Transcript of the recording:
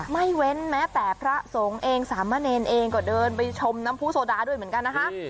ไม่เว้นแม้แต่พระสงฆ์เองสามเณรเองก็เดินไปชมน้ำผู้โซดาด้วยเหมือนกันนะคะ